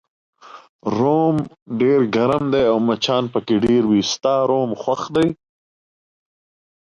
روم ډېر ګرم دی او مچان پکې ډېر وي، ستا روم خوښ دی؟